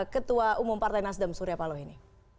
ketua umum partai nasdem surya paloh ini